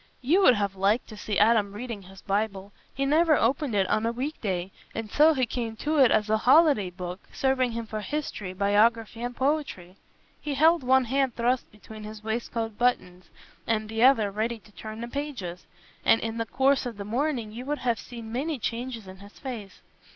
You would have liked to see Adam reading his Bible. He never opened it on a weekday, and so he came to it as a holiday book, serving him for history, biography, and poetry. He held one hand thrust between his waistcoat buttons, and the other ready to turn the pages, and in the course of the morning you would have seen many changes in his face.